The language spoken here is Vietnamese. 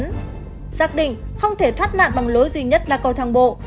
xác định không thể thoát nạn bằng lối duy nhất là cầu thang bộ